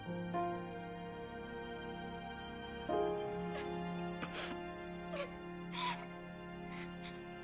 うっうぅ。